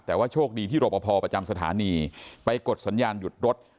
แต่ว่าโชคดีที่รอปภประจำสถานีไปกดสัญญาณหยุดรถ